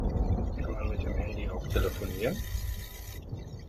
Kann man mit dem Handy auch telefonieren?